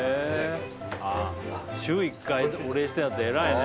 週１回お礼してるんだって偉いね。